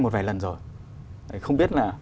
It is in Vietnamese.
một vài lần rồi không biết là